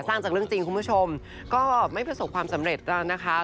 สร้างจากเรื่องจริงคุณผู้ชมก็ไม่ประสบความสำเร็จแล้วนะคะ